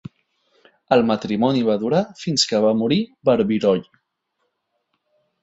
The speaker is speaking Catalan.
El matrimoni va durar fins que va morir Barbirolli.